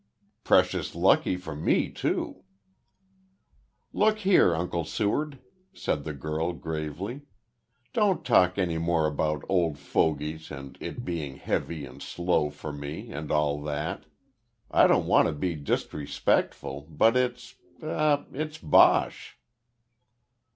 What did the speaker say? "Precious lucky for me too." "Look here, Uncle Seward," said the girl, gravely. "Don't talk any more about old fogeys and it being heavy and slow for me, and all that. I don't want to be disrespectful, but it's er it's bosh."